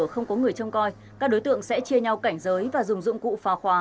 không có người trông coi các đối tượng sẽ chia nhau cảnh giới và dùng dụng cụ phá khóa